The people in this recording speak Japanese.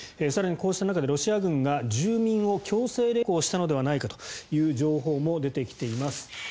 更にこうした中でロシア軍が住民を強制連行したのではないかという情報も出てきています。